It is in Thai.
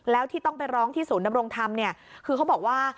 แล้วที่ต้องไปร้องที่ศูนย์ดำรงธรรมเนี่ยคือเขาบอกว่า